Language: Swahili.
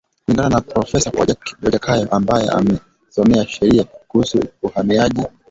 Kulingana na profesa Wajackoya ambaye amesomea sheria kuhusu uhamiaji